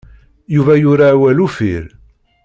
Yuba yura awal uffir.